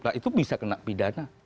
nah itu bisa kena pidana